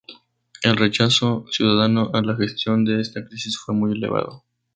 El rechazo ciudadano a la gestión de esta crisis fue muy elevado.